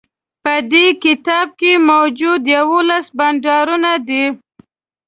په دې کتاب کی موجود یوولس بانډارونه دي